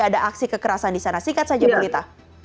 ada aksi kekerasan di sana singkat saja bu lita